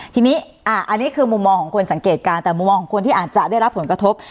ทีนี้อันนี้คือมุมมองของคนสังเกตการณ์แต่มุมมองของคนที่อาจจะได้รับผลกระทบ